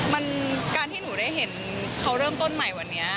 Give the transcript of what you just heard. มันการที่หนูได้เห็นเขาเริ่มต้นใหม่วันนี้